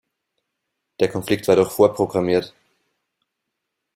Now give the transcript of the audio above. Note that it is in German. Der Konflikt war doch vorprogrammiert.